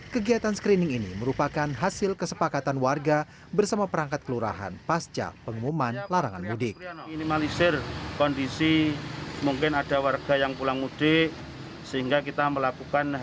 kegiatan screening ini merupakan hasil kesepakatan warga bersama perangkat kelurahan pasca pengumuman larangan mudik